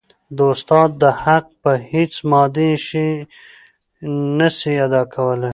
د استاد د حق په هيڅ مادي شي نسي ادا کيدای.